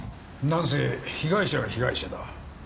何せ被害者が被害者だ。